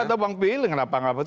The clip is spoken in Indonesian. gak tebang pilih kenapa kenapa